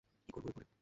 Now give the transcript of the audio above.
কী করবো এরপরে?